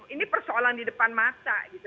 ini persoalan di depan mata gitu